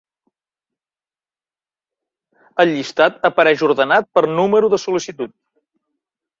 El llistat apareix ordenat per número de sol·licitud.